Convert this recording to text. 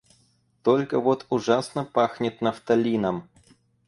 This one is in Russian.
Только вот ужасно пахнет нафталином.